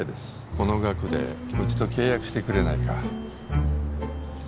この額でうちと契約してくれないか？